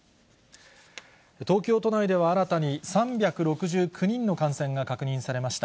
東京都内では、新たに３６９人の感染が確認されました。